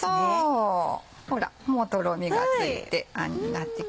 ほらもうとろみがついてあんになってきましたよ。